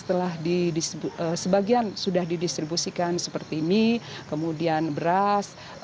telah di sebagian sudah didistribusikan seperti mie kemudian beras